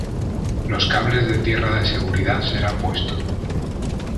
Los cables de tierra de seguridad serán puesto.